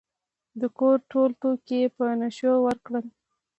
د کور ټول توکي یې په نشو ورکړل.